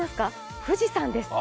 富士山です。